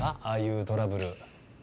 ああいうトラブル。